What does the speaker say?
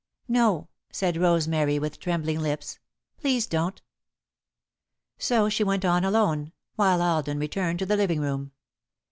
"No," said Rosemary, with trembling lips, "please don't." So she went on alone, while Alden returned to the living room.